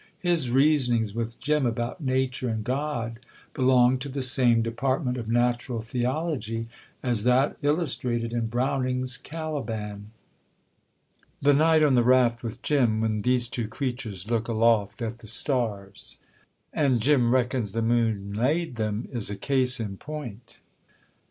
His reasonings with Jim about nature and God belong to the same department of natural theology as that illustrated in Browning's Caliban. The night on the raft with Jim, when these two creatures look aloft at the stars, and Jim reckons the moon laid them, is a case in point.